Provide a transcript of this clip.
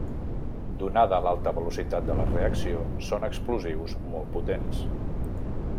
Donada l'alta velocitat de la reacció són explosius molt potents.